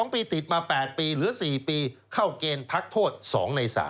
๒ปีติดมา๘ปีหรือ๔ปีเข้าเกณฑ์พักโทษ๒ใน๓